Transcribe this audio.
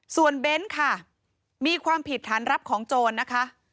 ส่วนเบ้นค่ะมีความผิดฐานรับของโจรนะคะ